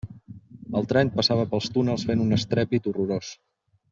El tren passava pels túnels fent un estrèpit horrorós.